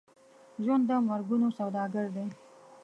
ژوند د مرګونو سوداګر دی.